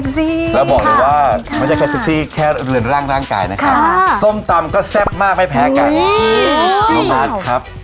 จะบอกเลยว่ามันจะแค่สุขซี่แค่เรือนร่างร่างกายนะครับค่ะส้มตำก็แซ่บมากไม่แพ้กันโอ้โหน้องบาทครับ